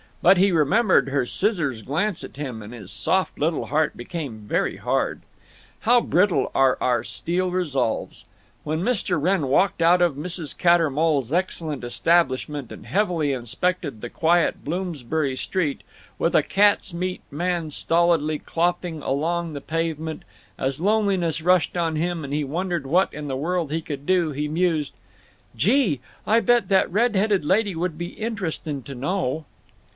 But he remembered her scissors glance at him, and his soft little heart became very hard. How brittle are our steel resolves! When Mr. Wrenn walked out of Mrs. Cattermole's excellent establishment and heavily inspected the quiet Bloomsbury Street, with a cat's meat man stolidly clopping along the pavement, as loneliness rushed on him and he wondered what in the world he could do, he mused, "Gee! I bet that red headed lady would be interestin' to know."